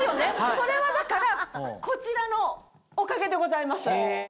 これはだからこちらのおかげでございます。